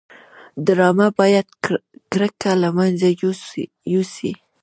ډرامه باید کرکه له منځه یوسي